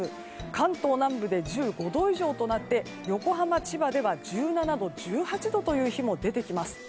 関東南部で１５度以上となって横浜、千葉では１７度、１８度という日も出てきます。